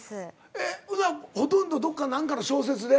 えっほなほとんどどっかの何かの小説で？